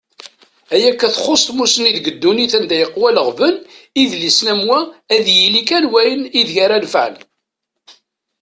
Ayakka txuṣṣ tmusni deg ddunit anda yeqwa leɣben, idlisen am wa ad yili kan wayen ideg ara nefƐen.